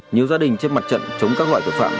nhiều gia đình trên mặt trận chống các loại tội phạm